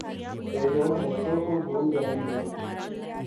تو لوگ میٹرو کو بھول جائیں گے۔